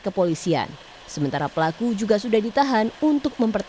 kondisi ekonomi yang serba kekurangan membuat keduanya sering adu mulut